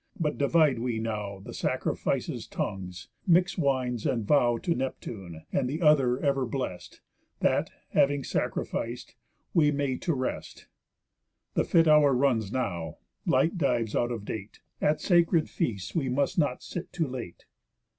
But divide we now The sacrifices' tongues, mix wines, and vow To Neptune, and the other Ever Blest, That, having sacrific'd, we may to rest. The fit hour runs now, light dives out of date, At sacred feasts we must not sit too late."